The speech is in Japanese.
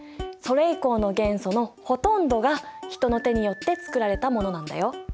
それ以降の元素のほとんどが人の手によって作られたものなんだよ。